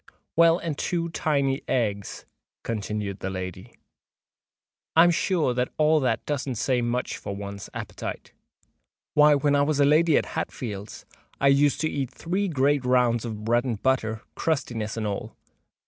"Well—and two tiny eggs," continued the lady;—"I am sure all that doesn't say much for one's appetite. Why, when I was at Lady Hatfield's, I used to eat three great rounds of bread and butter, crustinesses and all."